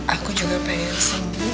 aku juga pengen sembuh buat daniel